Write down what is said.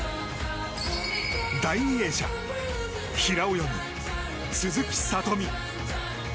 第２泳者平泳ぎ、鈴木聡美。